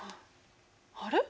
あれ？